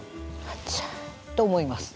「あちゃ」と思います。